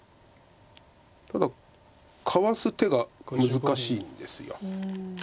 ただかわす手が難しいんです。